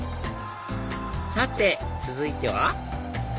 さて続いては？